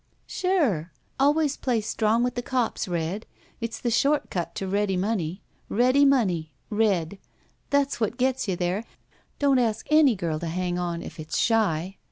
Sure. Always play strong with the cops. Red. It's the short cut to ready money. Ready money, Red. That's what gets you there. Don't ask any girl to hang on if it's shy.